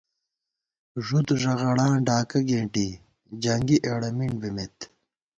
ݫُد ݫغڑاں ڈاکہ کېنٹی، جنگی اېڑہ مِنڈبِمېت